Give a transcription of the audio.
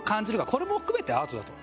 これも含めてアートだと。